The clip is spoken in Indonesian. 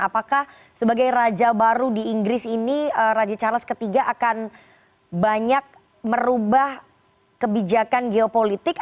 apakah sebagai raja baru di inggris ini raja charles iii akan banyak merubah kebijakan geopolitik